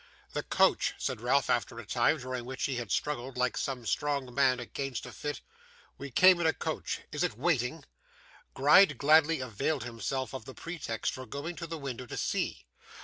'The coach,' said Ralph after a time, during which he had struggled like some strong man against a fit. 'We came in a coach. Is it waiting?' Gride gladly availed himself of the pretext for going to the window to see.